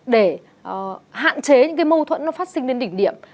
để hạn chế những cái mâu thuẫn nó phát sinh đến đỉnh điểm